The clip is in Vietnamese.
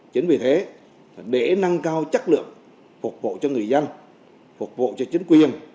chính vì thế để nâng cao chất lượng phục vụ cho người dân phục vụ cho chính quyền